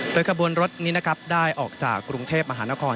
โดยขบวนรถนี้นะครับได้ออกจากกรุงเทพมหานคร